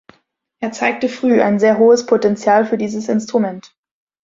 Er zeigte früh ein sehr hohes Potential für dieses Instrument.